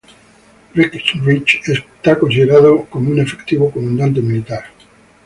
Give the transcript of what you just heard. Breckinridge es considerado como un efectivo comandante militar.